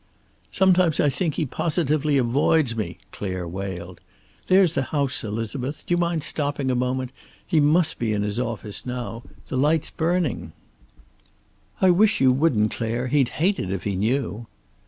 "Sometimes I think he positively avoids me," Clare wailed. "There's the house, Elizabeth. Do you mind stopping a moment? He must be in his office now. The light's burning." "I wish you wouldn't, Clare. He'd hate it if he knew."